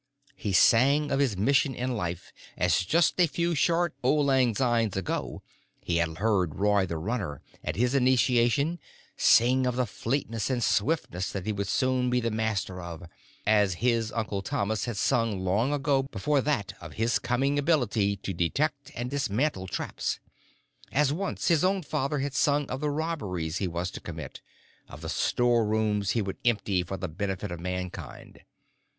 He sang of his mission in life as just a few short auld lang synes ago he had heard Roy the Runner, at his initiation, sing of the fleetness and swiftness that he would soon be the master of; as his Uncle Thomas had sung long before that of his coming ability to detect and dismantle traps; as once his own father had sung of the robberies he was to commit, of the storerooms he would empty for the benefit of Mankind.